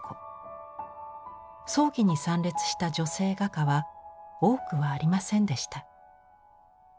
葬儀に参列した女性画家は多くはありませんでした。